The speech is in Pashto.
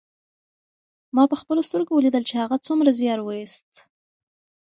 ما په خپلو سترګو ولیدل چې هغه څومره زیار ویوست.